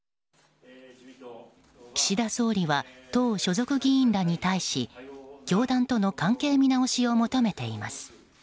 岸田総理は党所属議員らに対し教団との関係見直しを求めています。